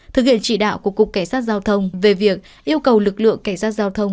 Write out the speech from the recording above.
thực hiện chỉ đạo của cục cảnh sát giao thông về việc yêu cầu lực lượng cảnh sát giao thông